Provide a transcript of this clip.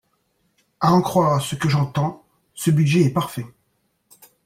À en croire ce que j’entends, ce budget est parfait.